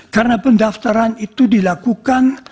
karena pendaftaran itu dilakukan